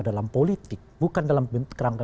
dalam politik bukan dalam kerangka